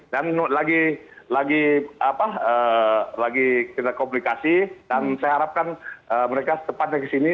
dan lagi kita komunikasi dan saya harapkan mereka secepatnya ke sini